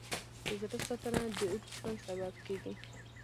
د زړه ساتنه د اوږد ژوند سبب کېږي.